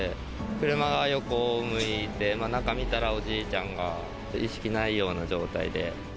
車が横向いて、中見たら、おじいちゃんが意識ないような状態で。